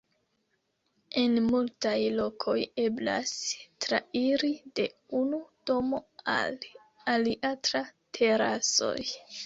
En multaj lokoj eblas trairi de unu domo al alia tra terasoj.